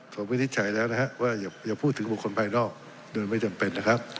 ผมวินิจฉัยแล้วนะครับว่าอย่าพูดถึงบุคคลภายนอกโดยไม่จำเป็นนะครับ